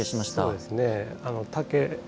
そうですね。